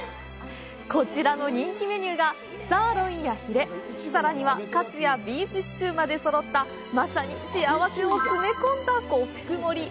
こちらの人気メニューが、サーロインやヒレ、さらにはカツやビーフシチューまでそろったまさに幸せを詰め込んだ五福盛り！